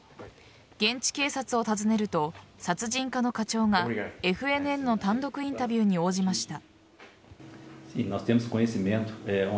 現地警察を訪ねると殺人課の課長がＦＮＮの単独インタビューに応じました。